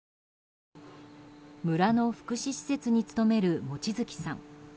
村の福祉施設に勤める望月さん。